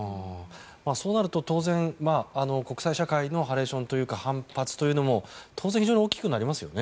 そうなると当然国際社会のハレーションというか反発というのも非常に大きくなりますよね。